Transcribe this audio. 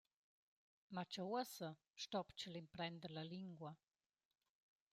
Ma cha uossa stopcha’l imprender la lingua.